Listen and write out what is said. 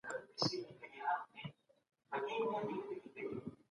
د چیخوف کیسې په پښتو هم اغېزمنې کېدای شي.